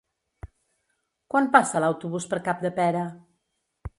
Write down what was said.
Quan passa l'autobús per Capdepera?